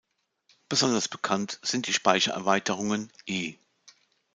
Besonders bekannt sind die Speichererweiterungen "E!